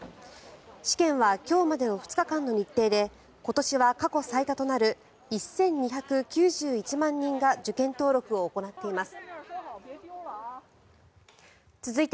試験は今日までの２日間の日程で今年は過去最多となる１２９１万人が受験登録を行っています。